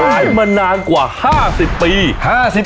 มานานกว่า๕๐ปี